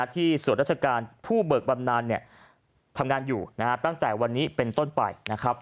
ที่ส่วนราชการผู้เบิกบำนานทำงานอยู่ตั้งแต่วันนี้เป็นต้นไป